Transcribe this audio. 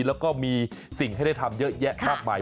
แล้วก็มีสิ่งให้ได้ทำเยอะแยะมากมาย